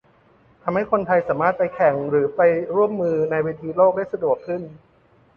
ทำให้คนไทยสามารถไปแข่งหรือไปร่วมมือในเวทีโลกได้สะดวกขึ้น